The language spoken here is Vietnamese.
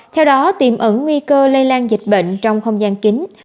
theo đó tìm ẩn nguy cơ lây lan dịch bệnh trong không gian kính